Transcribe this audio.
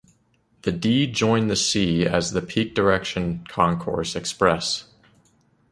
The D joined the C as the peak direction Concourse Express.